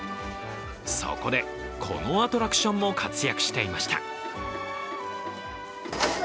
そこで、このアトラクションも活躍していました。